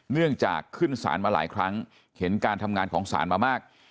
เนื่องจากขึ้นสารมาหลายครั้งเห็นการทำงานของศาลมามาก